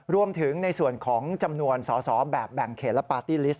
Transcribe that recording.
รวมถึงในส่วนของจำนวนสอสอแบบแบ่งเขตและปาร์ตี้ลิสต